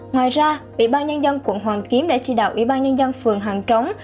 ngoài ra ủy ban nhân dân quận hoàn kiếm đã chỉ đạo ủy ban nhân dân phường hàng trống